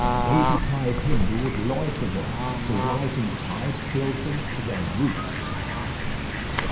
Woe betide him who would loiter there. The rising tide filled them to their roofs.